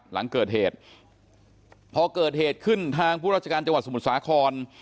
หลังเกิดเหตุพอเกิดเหตุขึ้นทางผู้ราชการจังหวัดสมุทรสาคร